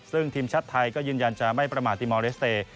ซึ่งทีมชาติไทยก็ยืนยันจะไม่ประมาทติมอลเลสเตย์